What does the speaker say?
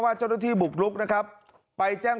อำเภอโพธาราม